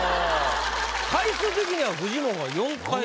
回数的にはフジモンが４回。